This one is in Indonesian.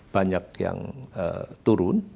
banyak yang turun